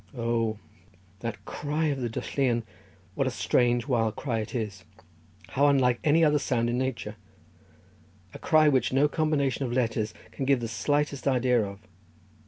Oh, that cry of the dylluan! what a strange, wild cry it is; how unlike any other sound in nature! a cry which no combination of letters can give the slightest idea of.